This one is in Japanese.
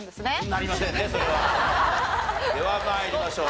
では参りましょう。